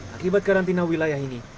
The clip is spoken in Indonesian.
akibat karantina wilayah ini